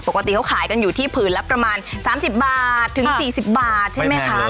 ปกติเขาขายกันอยู่ที่ผืนละประมาณ๓๐บาทถึง๔๐บาทใช่ไหมคะ